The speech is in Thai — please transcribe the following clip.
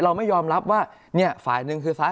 เราไม่ยอมรับว่าเนี่ยฝ่ายหนึ่งคือซ้าย